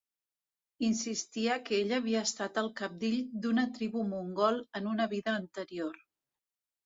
Insistia que ell havia estat el cabdill d'una tribu mongol en una vida anterior.